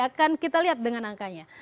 akan kita lihat dengan angkanya